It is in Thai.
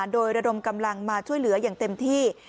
โดยระดมกำลังมาช่วยเหลืออย่างเต็มที่